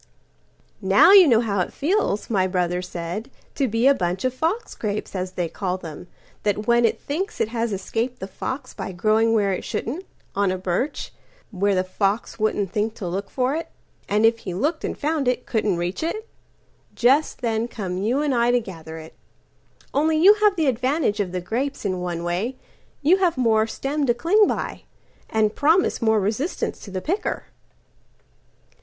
"Now you know how it feels," my brother said,"To be a bunch of fox grapes, as they call them, That when it thinks it has escaped the foxBy growing where it shouldn't—on a birch, Where a fox wouldn't think to look for it—And if he looked and found it, couldn't reach it—Just then come you and I to gather it. Only you have the advantage of the grapesIn one way: you have one more stem to cling by, And promise more resistance to the picker."